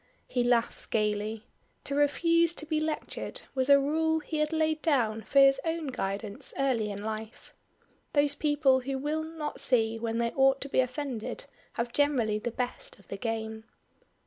He laughs gaily. To refuse to be lectured was a rule he had laid down for his own guidance early in life. Those people who will not see when they ought to be offended have generally the best of the game.